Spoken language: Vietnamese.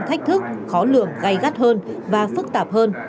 thách thức khó lường gây gắt hơn và phức tạp hơn